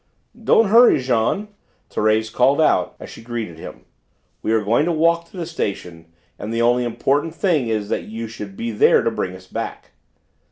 "Don't hurry, Jean," Thérèse called out as she greeted him. "We are going to walk to the station, and the only important thing is that you should be there to bring us back."